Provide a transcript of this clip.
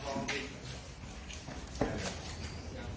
กันเราไปถ่ายอ่ะ